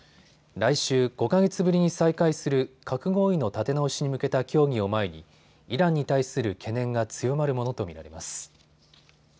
来週５か月ぶりに再開する核合意の立て直しに向けた協議を前にイランに対する懸念が強まるものと見られます。